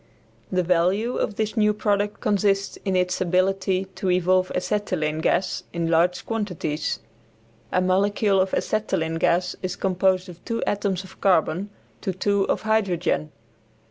The value of this new product consists in its ability to evolve Acetylene gas in large quantities. A molecule of acetylene gas is composed of two atoms of carbon to two of hydrogen.